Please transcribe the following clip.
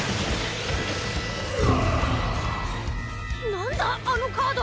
なんだあのカード！